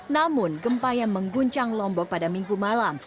namun gempa yang mengguncang lombok pada minggu malam